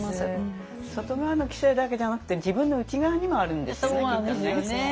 外側の規制だけじゃなくて自分の内側にもあるんですよねきっとね。